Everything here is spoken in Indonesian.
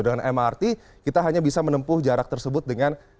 dengan mrt kita hanya bisa menempuh jarak tersebut dengan